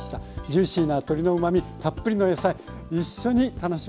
ジューシーな鶏のうまみたっぷりの野菜一緒に楽しめます。